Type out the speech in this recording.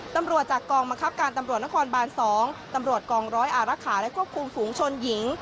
ตำรวจจากกองบังคับการตำรวจนครบาน๒ตำรวจกองร้อยอารักษาและควบคุมฝูงชนหญิง